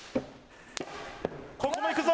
ここも行くぞ！